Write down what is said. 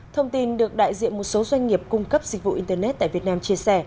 thông tin được đại diện một số doanh nghiệp cung cấp dịch vụ internet tại việt nam chia sẻ